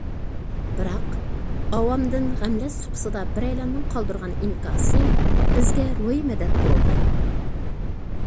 بىراق ئاۋامدىن غەملەش سۇپىسىدا بىرەيلەننىڭ قالدۇرغان ئىنكاسى بىزگە روھىي مەدەت بولدى.